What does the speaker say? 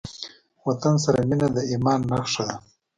وطن سره مينه د ايمان نښه ده.